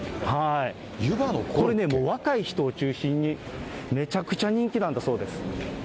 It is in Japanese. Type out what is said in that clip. これ、若い人を中心に、めちゃくちゃ人気なんだそうです。